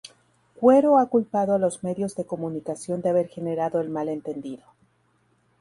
Cuero ha culpado a los medios de comunicación de haber generado el mal entendido.